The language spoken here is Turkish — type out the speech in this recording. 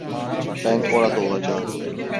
Ben orada olacağım.